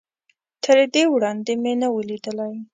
تر دې وړاندې مې نه و ليدلی.